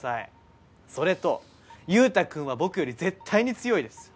それと佑太くんは僕より絶対に強いです。